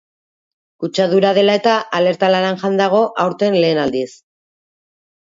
Kutsadura dela eta, alerta laranjan dago, aurten lehen aldiz.